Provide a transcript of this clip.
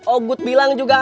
oh gut bilang juga apa me